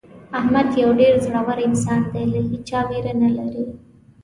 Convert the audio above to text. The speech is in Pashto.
احمد یو ډېر زړور انسان دی له هېچا ویره نه لري.